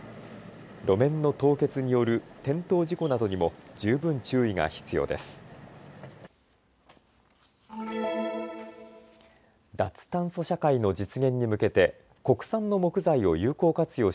路面の凍結による転倒事故などにも十分注意が必要です。